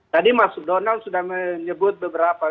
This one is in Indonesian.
tadi mas donald sudah menyebut beberapa